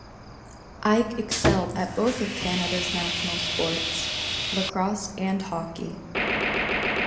Ike excelled at both of Canada's national sports, lacrosse and hockey.